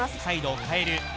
サイドを変える。